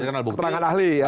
keterangan ahli ya